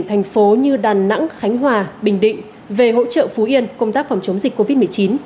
thành phố như đà nẵng khánh hòa bình định về hỗ trợ phú yên công tác phòng chống dịch covid một mươi chín